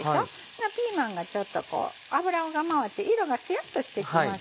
ピーマンがちょっと油が回って色がツヤっとしてきます。